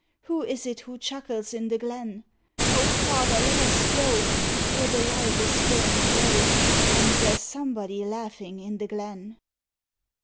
Who is it who chuckles in the glen? Oh, father, let us go, For the light is burning low, And there's somebody laughing in the glen.